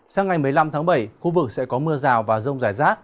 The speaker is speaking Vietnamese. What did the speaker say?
sang ngày một mươi năm tháng bảy khu vực sẽ có mưa rào và rông rải rác